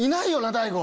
大悟。